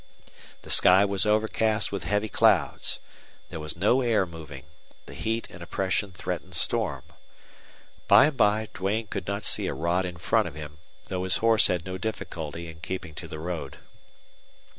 The sky was overcast with heavy clouds; there was no air moving; the heat and oppression threatened storm. By and by Duane could not see a rod in front of him, though his horse had no difficulty in keeping to the road.